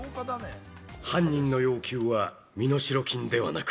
犯人の要求は身代金ではなく。